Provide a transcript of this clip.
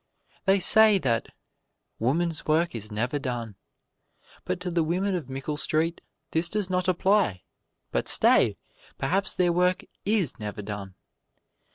They say that "woman's work is never done," but to the women of Mickle Street this does not apply but stay! perhaps their work IS never done.